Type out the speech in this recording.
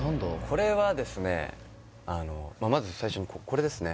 これはですねあのまず最初にこれですね